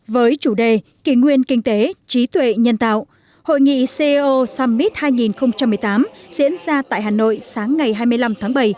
với chủ đề kỷ nguyên kinh tế trí tuệ nhân tạo hội nghị co summit hai nghìn một mươi tám diễn ra tại hà nội sáng ngày hai mươi năm tháng bảy